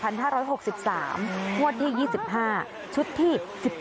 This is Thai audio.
งวดที่๒๕ชุดที่๑๗